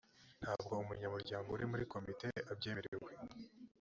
ntabwo umunyamuryango uri muri komite abyemerewe